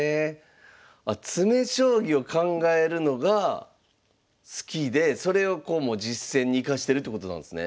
あ詰将棋を考えるのが好きでそれを実戦に生かしてるってことなんですね？